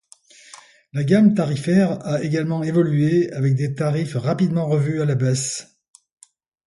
La gamme tarifaire a également évolué avec des tarifs rapidement revus à la baisse.